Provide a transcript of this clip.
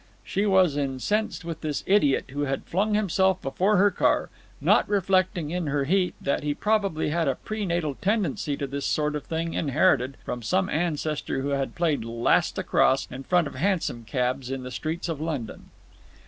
She was incensed with this idiot who had flung himself before her car, not reflecting in her heat that he probably had a pre natal tendency to this sort of thing inherited from some ancestor who had played "last across" in front of hansom cabs in the streets of London.